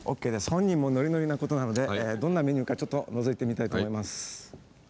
本人もノリノリなことなのでどんなメニューかちょっとのぞいてみたいと思います。